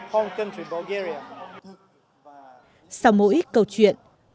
cũng như những mong mỏi cố gắng của họ